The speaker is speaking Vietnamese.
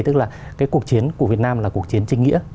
tức là cái cuộc chiến của việt nam là cuộc chiến trinh nghĩa